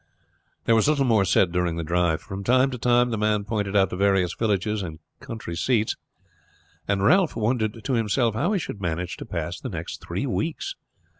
There was little more said during the drive. From time to time the man pointed out the various villages and country seats, and Ralph wondered to himself how he should manage to pass the next three weeks.